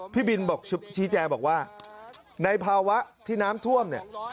พี่บินบอกชี้แจงบอกว่าในภาวะที่น้ำท่วมเนี่ย